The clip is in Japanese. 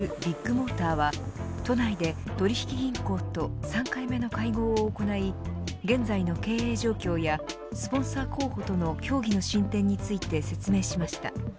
保険金の不正請求問題で経営が悪化しているビッグモーターは、都内で取引銀行と３回目の会合を行い現在の経営状況やスポンサー候補との協議の進展について説明しました。